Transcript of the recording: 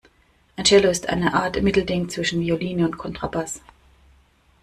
Ein Cello ist eine Art Mittelding zwischen Violine und Kontrabass.